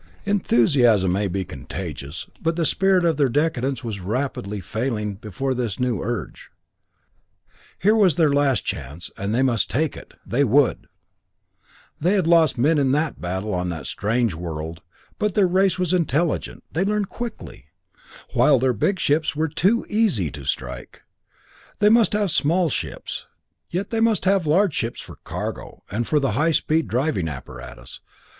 Enthusiasm may be contagious, but the spirit of their decadence was rapidly failing before this new urge. Here was their last chance and they must take it; they would! They had lost many men in that battle on the strange world, but their race was intelligent; they learned quickly, the small ships had been very hard targets, while their big ships were too easy to strike. They must have small ships, yet they must have large ships for cargo, and for the high speed driving apparatus.